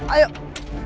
ayo udah lu naik deh